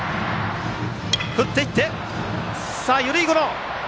振っていって、緩いゴロ！